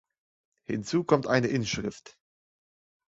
Hinzu kommt eine Inschrift.